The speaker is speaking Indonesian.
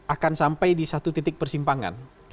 akan sampai di satu titik persimpangan